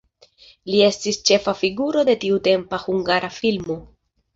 Li estis ĉefa figuro de tiutempa hungara filmo.